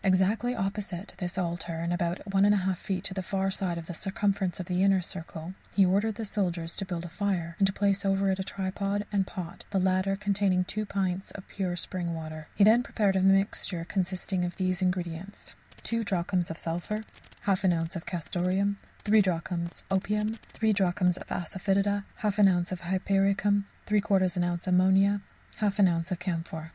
Exactly opposite this altar, and about 1 1/2 feet to the far side of the circumference of the inner circle, he ordered the soldiers to build a fire, and to place over it a tripod and pot, the latter containing two pints of pure spring water. He then prepared a mixture consisting of these ingredients: 2 drachms of sulphur. 1/2 oz. of castoreum. 6 drachms of opium. 3 drachms of asafœtida. 1/2 oz. of hypericum. 3/4 oz. of ammonia. 1/2 oz. of camphor.